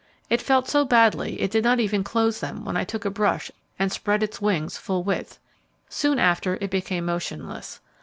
It felt so badly it did not even close them when I took a brush and spread its wings full width. Soon after it became motionless.